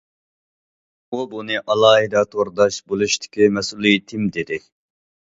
ئۇ بۇنى:« ئالاھىدە تورداش» بولۇشتىكى مەسئۇلىيىتىم، دېدى.